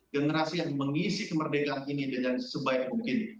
generasi yang mengisi kemerdekaan ini dengan sebaik mungkin